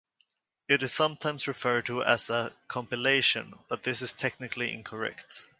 It is sometimes referred to as a compilation, but this is technically incorrect.